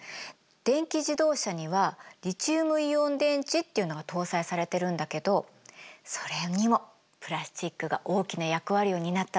電気自動車にはリチウムイオン電池っていうのが搭載されてるんだけどそれにもプラスチックが大きな役割を担ったの。